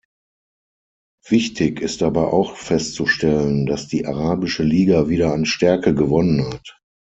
Wichtig ist aber auch festzustellen, dass die Arabische Liga wieder an Stärke gewonnen hat.